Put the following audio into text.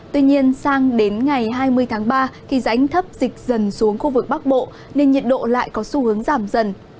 tuy nhiên sang đến ngày hai mươi tháng ba khi rãnh thấp dịch dần xuống khu vực bắc bộ nên nhiệt độ lại có xu hướng giảm dần